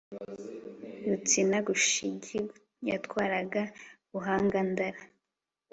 yustini gashugi yatwaraga buhanga-ndara